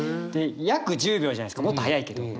約１０秒じゃないですかもっと速いけど。